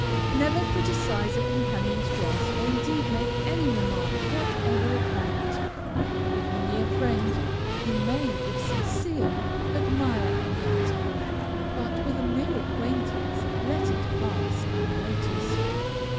Never criticise a companion's dress, or indeed make any remark whatever upon it. If a near friend, you may, if sincere, admire any article, but with a mere acquaintance let it pass unnoticed.